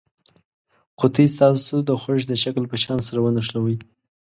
قطي ستاسې د خوښې د شکل په شان سره ونښلوئ.